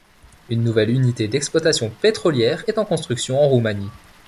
Une nouvelle unité d’exploitation pétrolière est en construction en Roumanie.